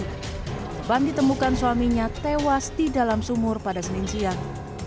korban ditemukan suaminya tewas di dalam sumur pada senin siang